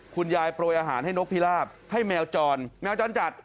คุณยายโปรยอาหารให้นกพิลาปให้แมวจอนแมวจอนจัด